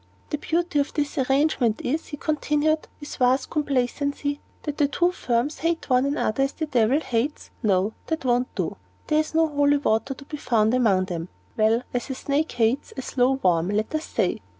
"The beauty of this arrangement is," he continued, with vast complacency, "that the two firms hate one another as the devil hates no, that won't do; there is no holy water to be found among them well, as a snake hates a slow worm, let us say.